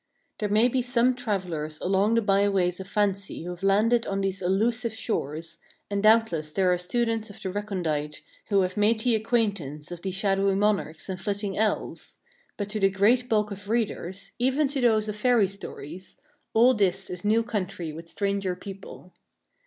There may be some travellers along the byways of fancy who have landed on these elusive shores , and doubtless there are students of the recondite who have made the acquaintance of these shadowy monarchs and flitting elves; but to the great bulk of readers , even to those of fairy stories , all this is new country with stranger people